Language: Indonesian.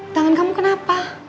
tangan kamu kenapa